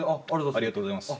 ありがとうございます。